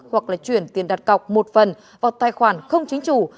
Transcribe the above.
hoặc là chuyển tiền đặt cọc một phần vào tài khoản không chính chủ